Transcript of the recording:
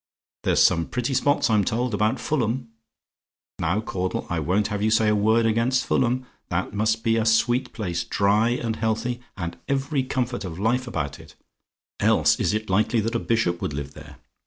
There's some pretty spots, I'm told, about Fulham. Now, Caudle, I won't have you say a word against Fulham. That must be a sweet place: dry and healthy, and every comfort of life about it else is it likely that a bishop would live there?